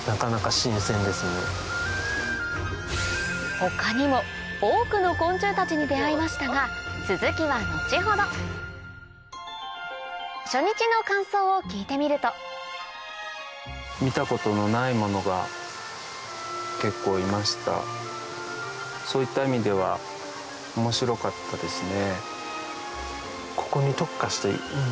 他にも多くの昆虫たちに出合いましたが続きは後ほどそういった意味では面白かったですね。